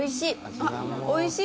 おいしい。